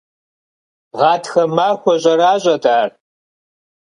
Гъатхэ махуэ щӏэращӏэт ар.